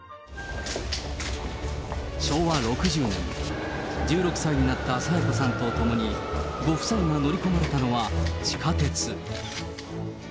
昭和６０年、１６歳になった清子さんと共に、ご夫妻が乗り込まれたのは地下鉄。